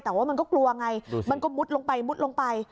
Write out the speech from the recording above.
แต่ว่ามันก็กลัวไงมันก็มุดลงไปมุดลงไป